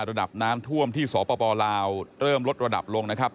ระดับน้ำท่วมที่สปลาวเริ่มลดระดับลงนะครับ